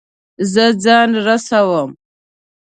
زه ځان رسوم